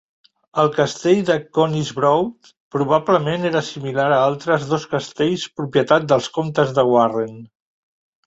El castell de Conisbrough probablement era similar a altres dos castells propietat dels comtes de Warren.